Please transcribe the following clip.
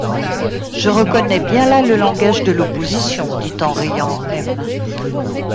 Je reconnais bien là le langage de l'opposition, dit en riant M.